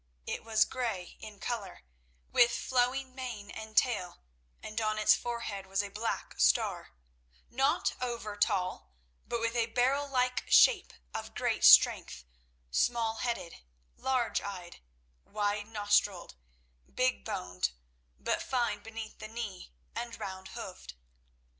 It was grey in colour, with flowing mane and tail, and on its forehead was a black star; not over tall, but with a barrel like shape of great strength, small headed, large eyed; wide nostriled, big boned, but fine beneath the knee, and round hoofed.